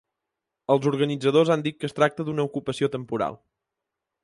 Els organitzadors han dit que es tracta d’una ocupació temporal.